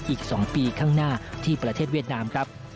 อีก๒ปีข้างหน้าที่ประเทศเวียดนามครับ